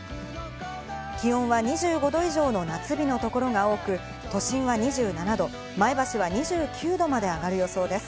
気温は２５度以上の夏日の所が多く、都心は２７度、前橋は２９度まで上がる予想です。